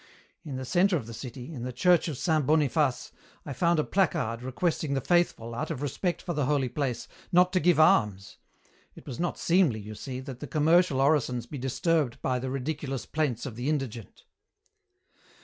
In the centre of the city, in the church of Saint Boniface, I found a placard requesting the faithful, out of respect for the holy place, not to give alms. It was not seemly, you see, that the commercial orisons be disturbed by the ridiculous plaints of the indigent."